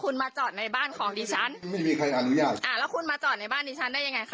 แล้วคุณมาจอดในบ้านดิฉันได้ยังไงคะ